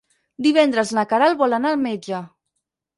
Divendres na Queralt vol anar al metge.